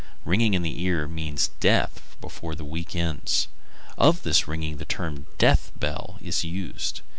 Ringing in the ears means death before the week ends. Of this ringing the term "death bell" is used.